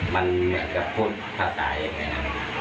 มันอยากจะพูดภาษายังไงนะ้